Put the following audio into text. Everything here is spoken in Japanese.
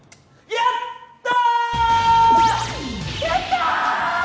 やった！